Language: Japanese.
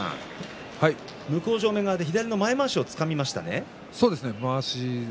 向正面側で、左の前まわしはつかみましたか？